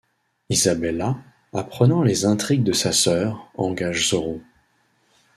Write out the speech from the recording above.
Isabella, apprenant les intrigues de sa sœur, engage Zorro.